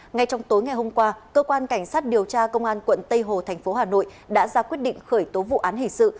ngay trong tối ngày hôm qua cơ quan cảnh sát điều tra công an quận tây hồ thành phố hà nội đã ra quyết định khởi tố vụ án hình sự